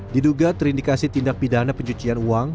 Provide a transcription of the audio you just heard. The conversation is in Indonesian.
diduga terindikasi tindak pidana pencucian uang